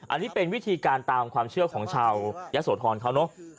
อันนี้เป็นวิธีการตามความเชื่อของชาวยะโสธรเขาเนอะ